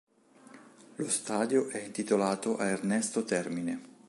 Lo stadio è intitolato a Ernesto Termine.